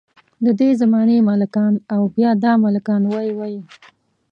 ددې زمانې ملکان او بیا دا ملکان وۍ وۍ.